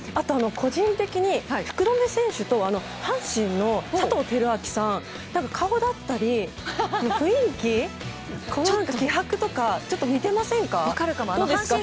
個人的に福留選手と阪神の佐藤輝明さん多分顔だったり雰囲気、ちょっと気迫とかちょっと似てませんか？